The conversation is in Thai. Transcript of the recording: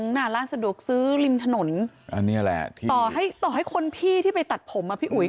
หน้าร่าสะดวกซื้อริมถนนต่อให้คนพี่ที่ไปตัดผมอ่ะพี่อุ๋ย